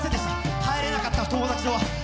入れなかった友達の輪。